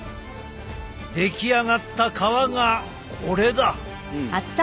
出来上がった皮がこれだ。